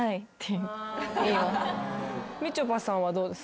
みちょぱさんはどうです？